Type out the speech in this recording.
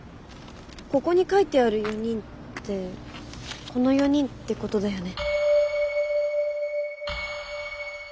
ここに書いてある４人ってこの４人ってことだよね。